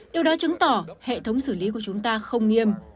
điều đó chứng tỏ hệ thống xử lý của chúng ta không nghiêm